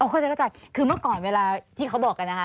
เข้าใจคือเมื่อก่อนเมื่อเขาบอก